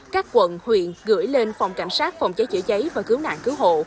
các quận huyện gửi lên phòng cảnh sát phòng cháy chữa cháy và cứu nạn cứu hộ